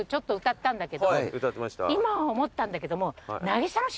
今思ったんだけども。